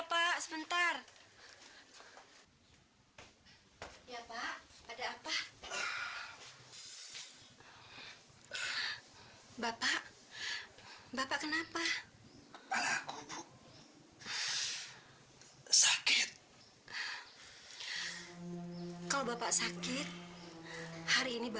badan bapak nggak enak semua nih